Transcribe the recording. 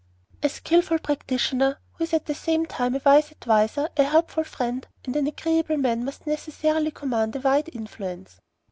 A skilful practitioner, who is at the same time a wise adviser, a helpful friend, and an agreeable man, must necessarily command a wide influence.